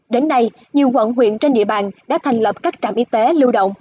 đến nay nhiều quận huyện trên địa bàn đã thành lập các trạm y tế lưu động